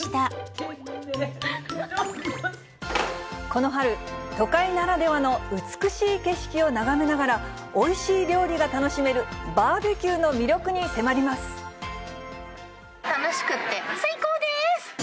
この春、都会ならではの美しい景色を眺めながら、おいしい料理が楽しめる、楽しくて、最高です！